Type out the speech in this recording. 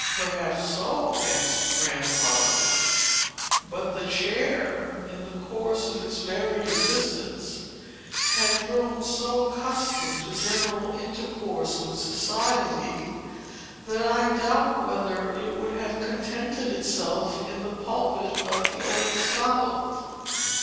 "Perhaps so," answered Grandfather. "But the chair, in the course of its varied existence, had grown so accustomed to general intercourse with society, that I doubt whether it would have contented itself in the pulpit of the Old South.